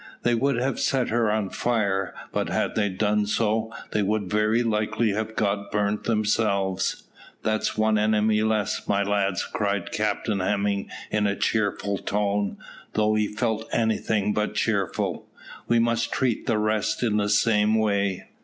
They would have set her on fire, but had they done so, they would very likely have got burnt themselves. "That's one enemy less, my lads," cried Captain Hemming in a cheerful tone, though he felt anything but cheerful. "We must treat the rest in the same way."